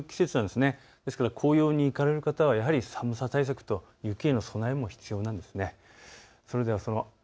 ですから紅葉に行かれる方はやはり寒さ対策と雪への備えも必要です。